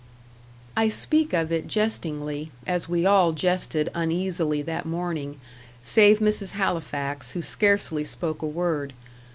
I speak of it jestingly, as we all jested uneasily that morning, save Mrs. Halifax, who scarcely spoke a word.